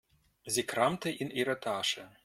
Sie kramte in ihrer Tasche.